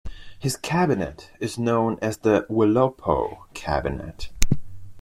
His cabinet is known as the Wilopo Cabinet.